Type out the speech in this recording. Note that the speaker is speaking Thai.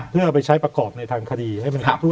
เพื่อเอาไปใช้ประกอบในทางคดีให้มันครบถ้ว